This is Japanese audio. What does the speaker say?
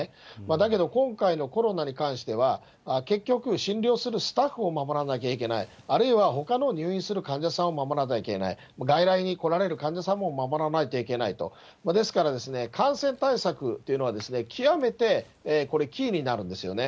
だけど、今回のコロナに関しては、結局、診療するスタッフを守らなきゃいけない、あるいはほかの入院する患者さんを守らなきゃいけない、外来に来られる患者さんも守らないといけないと、ですから、感染対策というのは、極めてこれ、キーになるんですよね。